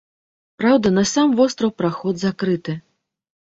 Праўда, на сам востраў праход закрыты.